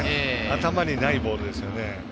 頭にないボールですね。